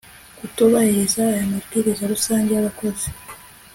kutubahiriza aya mabwiriza rusange yabakozi